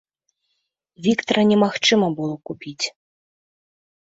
Віктара немагчыма было купіць.